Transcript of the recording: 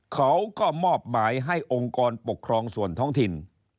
เขาก็มอบหมายให้องค์กรปกครองส่วนท้องถิ่น